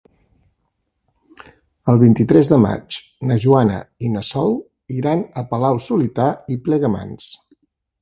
El vint-i-tres de maig na Joana i na Sol iran a Palau-solità i Plegamans.